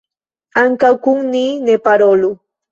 Ankaŭ kun ni ne parolu.